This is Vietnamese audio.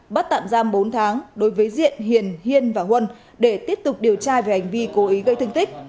bắt tạm giam bốn tháng đối với diện hiền hiên và huân để tiếp tục điều tra về hành vi cố ý gây thương tích